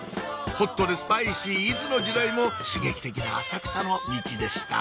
ホットでスパイシーいつの時代も刺激的な浅草のミチでした